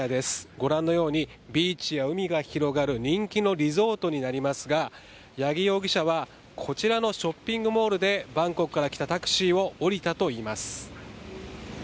ご覧のようにビーチや海が広がる人気のリゾートになりますが八木容疑者はこちらのショッピングモールでバンコクから来たタクシーを降りたといいます。